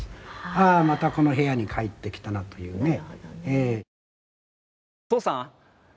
ああーまたこの部屋に帰ってきたなというね。